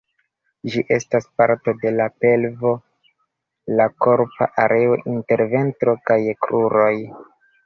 Ĝi estas parto de la pelvo, la korpa areo inter ventro kaj kruroj.